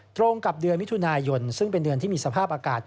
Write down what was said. ตรงกับเดือนมิถุนายนซึ่งเป็นเดือนที่มีสภาพอากาศ